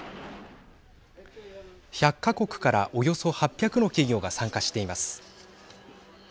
１００か国からおよそ８００の企業が参加しています。